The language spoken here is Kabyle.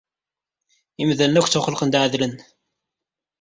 Imdanen akk ttwaxelqen-d ɛedlen.